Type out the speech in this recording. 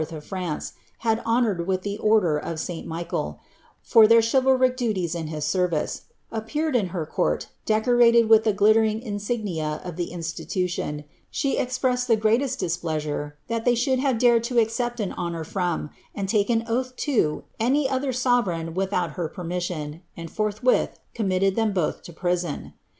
of France, had honoured with the order of St. Michael, for r chivalric deeds in his service, appeared in her court, decorated with glittering insignia of the institution, she expressed the greatest dis sure that they should have dared to accept an honour from, and • an oath to, any other sovereign without her permission, and forth 1 committed them both to prison.